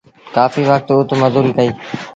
ڪآڦيٚ وکت اُت مزوريٚ ڪئيٚ۔